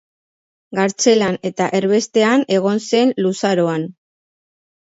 Kartzelan eta erbestean egon zen luzaroan.